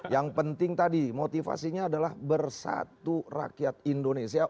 yang penting tadi motivasinya adalah bersatu rakyat indonesia